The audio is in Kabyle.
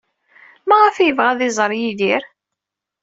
Maɣef ay yebɣa ad iẓer Yidir?